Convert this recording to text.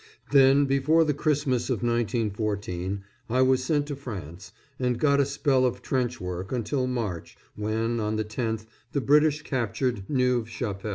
Then, before the Christmas of 1914 I was sent to France, and got a spell of trench work until March, when, on the 10th, the British captured Neuve Chapelle.